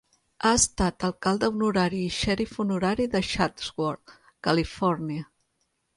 Ha estat alcalde honorari i xerif honorari de Chatsworth, Califòrnia.